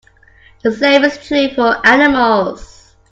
The same is true for animals.